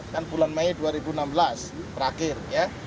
kan bulan mei dua ribu enam belas terakhir ya